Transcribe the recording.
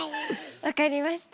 分かりました。